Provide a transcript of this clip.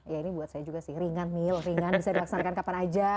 ya ini buat saya juga sih ringan mil ringan bisa dilaksanakan kapan aja